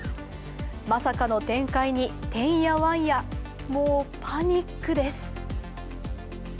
まさかの展開にてんやわんや、もうパニックです。